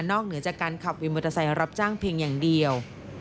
เหนือจากการขับวินมอเตอร์ไซค์รับจ้างเพียงอย่างเดียว